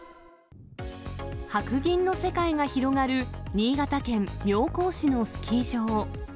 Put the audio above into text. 白銀の世界が広がる、新潟県妙高市のスキー場。